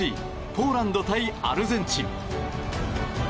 ポーランド対アルゼンチン。